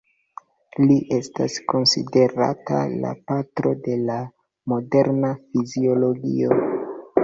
Li estas konsiderata la patro de la moderna fiziologio.